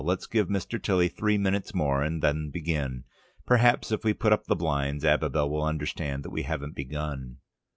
Let's give Mr. Tilly three minutes more and then begin. Perhaps, if we put up the blinds, Abibel will understand we haven't begun."